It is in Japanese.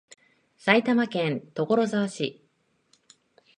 埼玉県所沢市